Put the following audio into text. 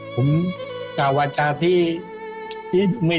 ผมคราวจากที่นุ่มไม่ดีไปกับมีอะไร